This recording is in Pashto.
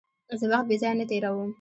زه وخت بېځایه نه تېرووم.